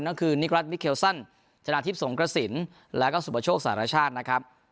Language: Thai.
ก็คือนิกรัฐมิเคลซันชนะทิพย์สงกระสินแล้วก็สุปโชคสารชาตินะครับ